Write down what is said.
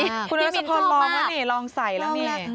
นี่มินชอบมากพี่มินชอบมากคุณรัฐสะพานลองแล้วเนี่ยลองใส่แล้วเนี่ย